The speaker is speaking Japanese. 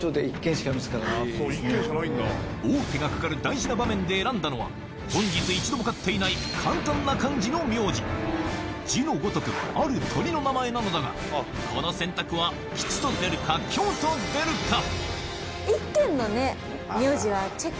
王手がかかる大事な場面で選んだのは本日字のごとくある鳥の名前なのだがこの選択は吉と出るか凶と出るか？